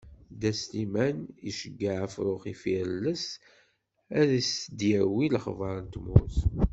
Dda Sliman iceyyeɛ afrux ifirelles ad s-d-yawi lexbar n tmurt.